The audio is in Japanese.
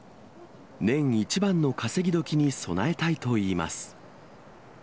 年一番の稼ぎ時に備えたいといいます。